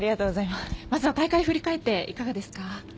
まずは大会振り返っていかがですか？